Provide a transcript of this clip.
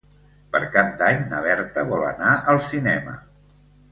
Per Cap d'Any na Berta vol anar al cinema.